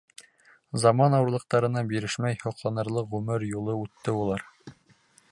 Заман ауырлыҡтарына бирешмәй, һоҡланырлыҡ ғүмер юлы үтте улар.